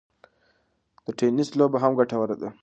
د ټینېس لوبه هم ګټوره ده.